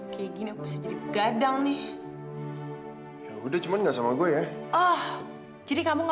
kenapa sih hati gue nggak tenang